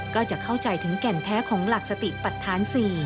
ก็จะเข้าใจถึงแก่นแท้ของหลักสติปัตฐาน๔